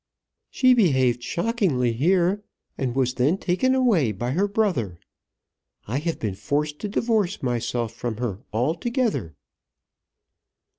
"She behaved shockingly here, and was then taken away by her brother. I have been forced to divorce myself from her altogether."